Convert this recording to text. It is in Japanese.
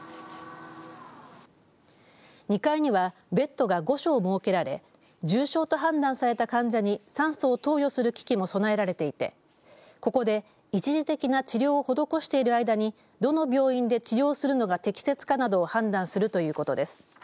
２階には、ベッドが５床設けられ重症と判断された患者に酸素を投与する機器も備えられていてここで一時的な治療を施している間にどの病院で治療するのが適切かなどを判断するということです。